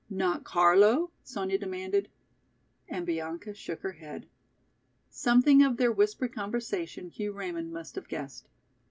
"Not Carlo?" Sonya demanded. And Bianca shook her head. Something of their whispered conversation Hugh Raymond must have guessed.